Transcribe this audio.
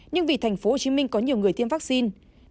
nhưng vì tp hcm có nhiều người tiêm vaccine